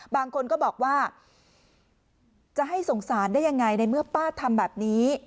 บางคนก็บอกว่าจะให้สงสารได้ยังไงในเมื่อป้าทำแบบนี้